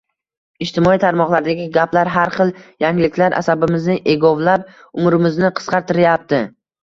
Ijtimoiy tarmoqlardagi gaplar, har xil yangiliklar asabimizni egovlab, umrimizni qisqartirayapti